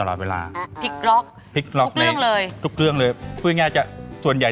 แม่บ้านประจันบัน